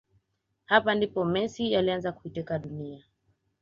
Hapa ndipo Messi alianza kuiteka dunia